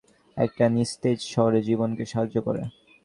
একটা নিস্তেজ শহরে জীবনকে সাহায্য করে।